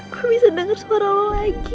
gue bisa denger suara lo lagi